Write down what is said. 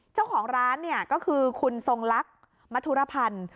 เจ้าของร้านเนี่ยก็คือคุณทรงลักษณ์มธุรพันธ์